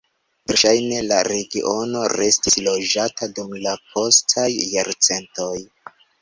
Verŝajne la regiono restis loĝata dum la postaj jarcentoj.